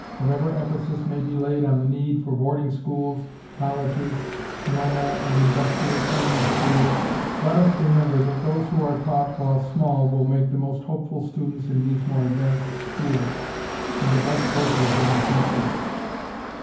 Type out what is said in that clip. Whatever emphasis may be laid on the need for boarding schools, colleges, normal, and industrial training schools, let us remember that those who are taught while small will make the most hopeful students in these more advanced schools, and the best workers in the future.